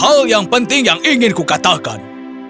hal yang penting yang ingin kukatakan